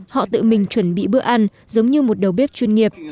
họ tự mình chuẩn bị bữa ăn giống như một đầu bếp chuyên nghiệp